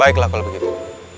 baiklah kalau begitu